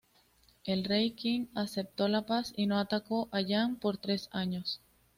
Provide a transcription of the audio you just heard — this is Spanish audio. El rey Qin acepto la paz y no atacó a Yan por tres años.